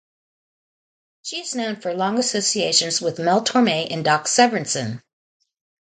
She is known for long associations with Mel Torme and Doc Severinsen.